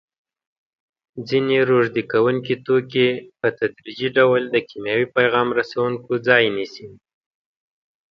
ځینې روږدې کوونکي توکي په تدریجي ډول د کیمیاوي پیغام رسوونکو ځای نیسي.